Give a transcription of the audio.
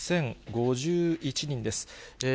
４０５１人です。